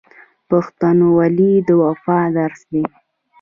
پښتونولي د وفا درس دی.